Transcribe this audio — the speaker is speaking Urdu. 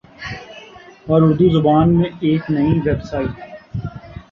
اور اردو زبان میں ایک نئی ویب سائٹ